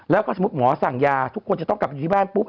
แล้วก็สมมุติหมอสั่งยาทุกคนจะต้องกลับไปอยู่ที่บ้านปุ๊บ